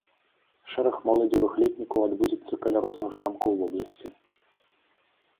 Шэраг моладзевых летнікаў адбудзецца каля розных замкаў вобласці.